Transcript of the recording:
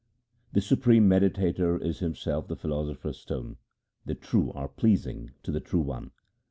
The supreme mediator is himself the philosopher's stone ; the true are pleasing to the True One.